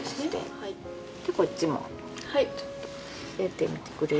でこっちもちょっとやってみてくれる？